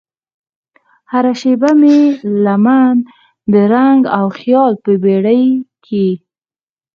هره شیبه مې لمن د رنګ او خیال په بیړۍ کې